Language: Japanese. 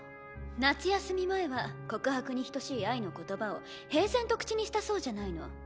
夏休み前は告白に等しい愛の言葉を平然と口にしたそうじゃないの。